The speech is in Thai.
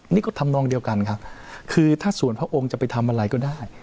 นี่ก็ทำนองเดียวกันครับคือถ้าส่วนพระองค์จะไปทำอะไรก็ได้